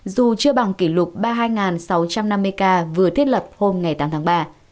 dù chưa bằng kỷ lục ba mươi hai sáu trăm năm mươi ca vừa thiết lập hôm tám tháng ba